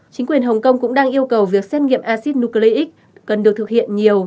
chính quyền hồng kông cũng đang yêu cầu việc xét nghiệm acid nucleic cần được thực hiện nhiều